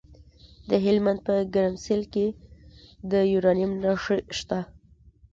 د هلمند په ګرمسیر کې د یورانیم نښې شته.